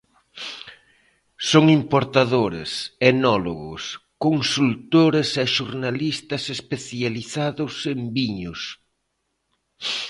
Son importadores, enólogos, consultores e xornalistas especializados en viños.